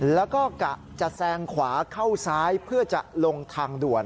แล้วก็กะจะแซงขวาเข้าซ้ายเพื่อจะลงทางด่วน